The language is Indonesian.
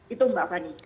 itu mbak fani